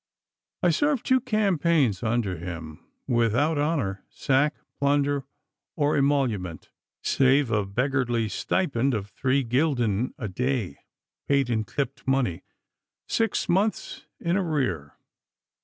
I served two campaigns under him without honour, sack, plunder, or emolument, save a beggarly stipend of three gulden a day, paid in clipped money, six months in arrear.